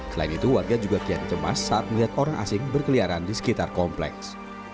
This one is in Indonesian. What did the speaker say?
selain itu warga juga kian cemas saat melihat orang asing berkeliaran di sekitar kompleks